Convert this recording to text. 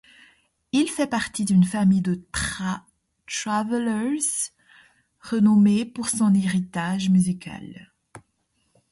Il fait partie d'une famille de Travellers, renommée pour son héritage musical.